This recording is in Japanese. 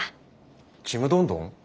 ちむどんどん？